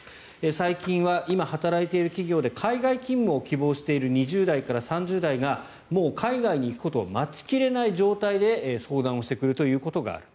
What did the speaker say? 最近は今働いている企業で海外勤務を希望している２０代から３０代がもう海外に行くことを待ち切れない状態で相談してくるということがある。